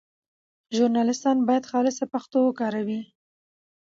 ژورنالیستان باید خالصه پښتو وکاروي.